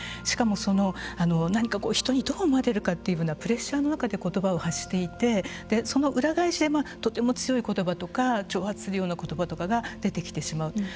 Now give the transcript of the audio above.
しかも何か人にどう思われるかっていうようなプレッシャーの中で言葉を発していてその裏返しでとても強い言葉とか挑発するような言葉とかが出てきてしまう。